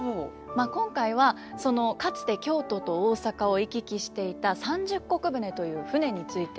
まあ今回はそのかつて京都と大阪を行き来していた三十石船という船について。